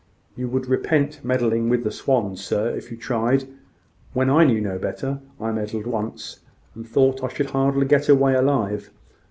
"You would repent meddling with the swans, sir, if you tried. When I knew no better, I meddled once, and I thought I should hardly get away alive.